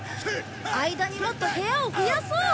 間にもっと部屋を増やそう。